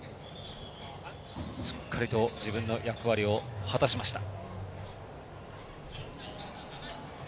しっかりと自分の役割果たしました。